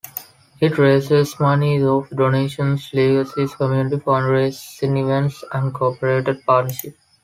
It raises money through donations, legacies, community fundraising, events and corporate partnerships.